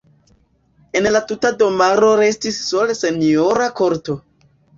El la tuta domaro restis sole senjora korto.